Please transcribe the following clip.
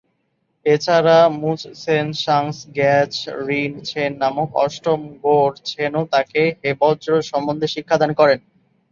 এছাড়া মুস-ছেন-সাংস-র্গ্যাস-রিন-ছেন নামক অষ্টম ঙ্গোর-ছেনও তাকে হেবজ্র সম্বন্ধে শিক্ষাদান করেন।